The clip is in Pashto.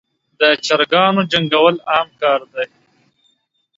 دچراګانو جنګول عام کار دی.